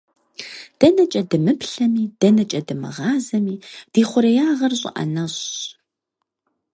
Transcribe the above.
ДэнэкӀэ дымыплъэми, дэнэкӀэ дымыгъазэми, ди хъуреягъыр щӀы ӏэнэщӀщ!